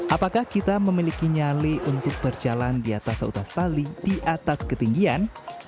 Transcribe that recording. apakah kita memiliki nyali untuk berjalan di atas seutas tali di atas ketinggian